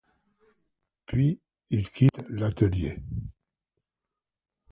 Puis il quitte l'atelier.